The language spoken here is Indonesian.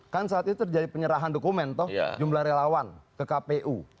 kan saat itu terjadi penyerahan dokumen toh jumlah relawan ke kpu